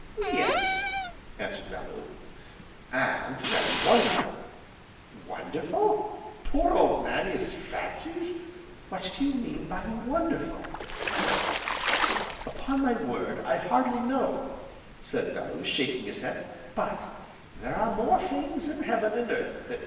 "Yes," answered Bellew, "and very wonderful!" "Wonderful? poor old Nannie's fancies! What do you mean by wonderful?" "Upon my word, I hardly know," said Bellew, shaking his head, "but 'there are more things in heaven, and earth,' etc.